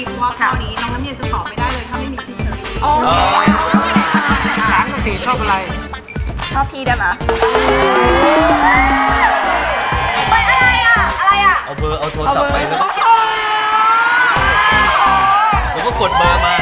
เพราะว่าตอนนี้น้องเช่นจะตอบไม่ได้เลยถ้าไม่มีพี่เชื้อุ